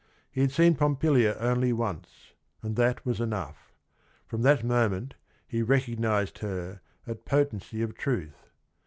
He had seen Pompilia only once, and that was enough. From that moment he "recognized her, at potency of truth."